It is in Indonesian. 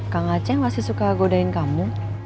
kak ngaceng masih suka godain kamu